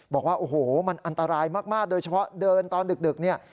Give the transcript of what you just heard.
บอกว่าโอ้โหมันอันตรายมากโดยเฉพาะเดินตอนดึกเนี่ย